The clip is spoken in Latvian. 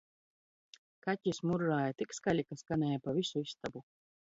Kaķis murrāja tik skaļi, ka skanēja pa visu istabu